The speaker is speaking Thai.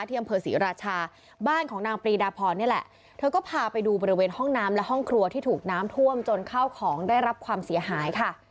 อำเภอศรีราชาบ้านของนางปรีดาพรนี่แหละเธอก็พาไปดูบริเวณห้องน้ำและห้องครัวที่ถูกน้ำท่วมจนเข้าของได้รับความเสียหายค่ะ